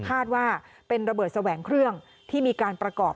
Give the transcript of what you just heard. คาดว่าเป็นระเบิดแสวงเครื่องที่มีการประกอบ